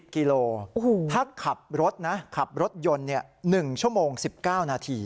กิโลถ้าขับรถนะขับรถยนต์๑ชั่วโมง๑๙นาที